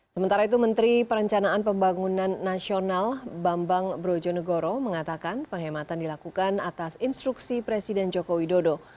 sementara itu menteri perencanaan pembangunan nasional bambang brojonegoro mengatakan penghematan dilakukan atas instruksi presiden joko widodo